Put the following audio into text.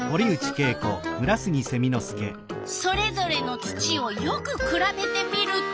それぞれの土をよくくらべてみると。